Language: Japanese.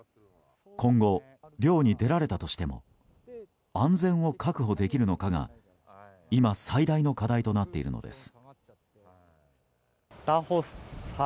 今後、漁に出られたとしても安全を確保できるのかが今、最大の課題となっているのです。